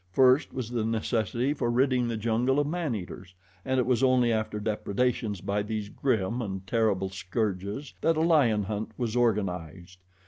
First was the necessity for ridding the jungle of man eaters, and it was only after depredations by these grim and terrible scourges that a lion hunt was organized.